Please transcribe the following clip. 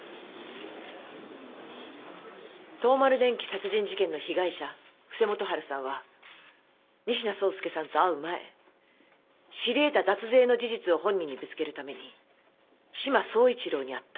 東丸電機殺人事件の被害者布施元治さんは仁科壮介さんと会う前知り得た脱税の事実を本人にぶつけるために志摩総一郎に会った。